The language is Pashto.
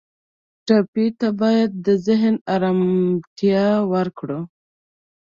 ټپي ته باید د ذهن آرامتیا ورکړو.